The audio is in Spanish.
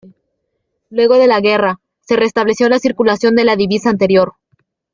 Luego de la guerra, se restableció la circulación de la divisa anterior.